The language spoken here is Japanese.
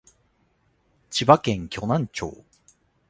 千葉県鋸南町